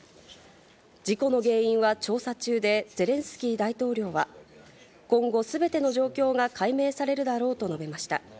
事故の原因は調査中で、ゼレンスキー大統領は、今後、すべての状況が解明されるだろうと述べました。